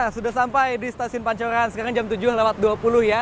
nah sudah sampai di stasiun pancoran sekarang jam tujuh lewat dua puluh ya